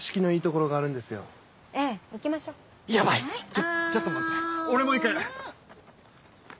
ちょちょっと待って俺も行く。